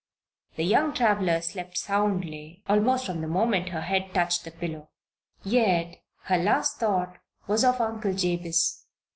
The young traveler slept soundly almost from the moment her head touched the pillow. Yet her last thought was of Uncle Jabez.